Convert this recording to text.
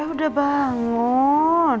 eh udah bangun